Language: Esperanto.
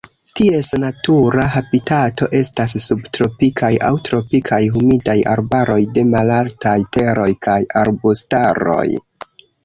Ties natura habitato estas subtropikaj aŭ tropikaj humidaj arbaroj de malaltaj teroj kaj arbustaroj.